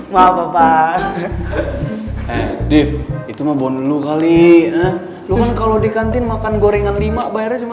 maaf bapak itu mau dulu kali lu kan kalau di kantin makan gorengan lima bayarnya cuma